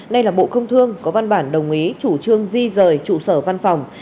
nay là bộ công thương có văn bản đồng ý chủ trương di rời trụ sở văn phòng